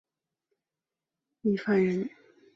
郦范人。